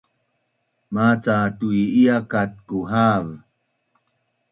maca tu’i’ia kat kuhav